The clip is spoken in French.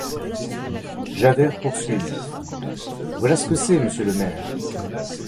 Javert poursuivit: — Voilà ce que c’est, monsieur le maire.